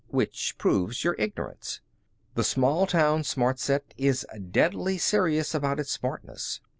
Which proves your ignorance. The small town smart set is deadly serious about its smartness.